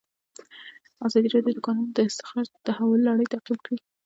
ازادي راډیو د د کانونو استخراج د تحول لړۍ تعقیب کړې.